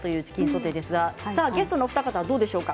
ゲストのお二方どうでしょうか？